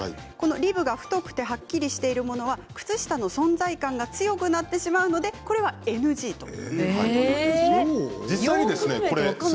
リブが太くて、はっきりしているものは靴下の存在感が強くなってしまうのでＮＧということなんです。